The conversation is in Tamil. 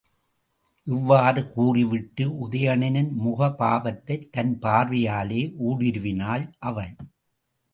இவ்வாறு கூறிவிட்டு உதயணனின் முகபாவத்தைத் தன் பார்வையாலே ஊடுருவினாள் அவள்.